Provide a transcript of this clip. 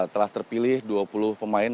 telah terpilih dua puluh pemain